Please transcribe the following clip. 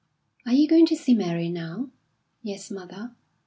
"Are you going to see Mary now?" "Yes, mother."